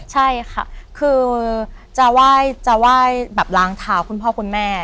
ใช่ค่ะคือจะไหว้แบบล้างเท้าคุณพ่อคุณแม่